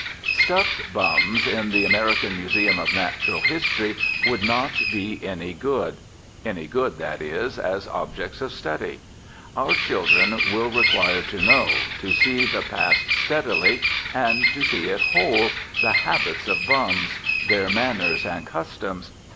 Stuffed bums in the American Museum of Natural History would not be any good. Any good, that is, as objects of study. Our children will require to know, to see the past steadily and see it whole, the habits of bums, their manners and customs.